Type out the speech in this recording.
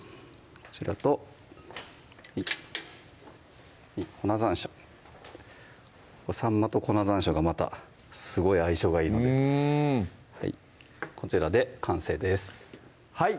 こちらと粉山椒さんまと粉山椒がまたすごい相性がいいのでこちらで完成ですはい